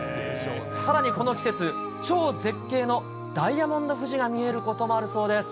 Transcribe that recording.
さらに、この季節、超絶景のダイヤモンド富士が見えることもあるそうです。